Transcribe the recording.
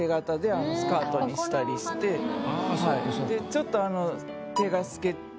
ちょっと。